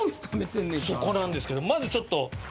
そこなんですけどまずちょっと。